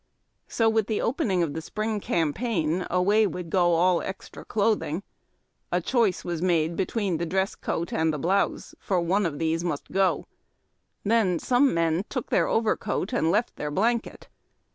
So, with the opening of the spring campaign, away would go all extra clothing. A choice was made between the dress coat and blouse, for one of tliese must go. Then some men took their overcoat and left their blanket.